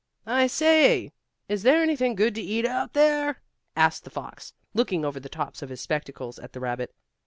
"I say, is there anything good to eat out there?" asked the fox, looking over the tops of his spectacles at the rabbit.